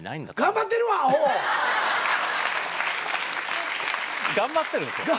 頑張ってるわアホ！頑張ってるんですか？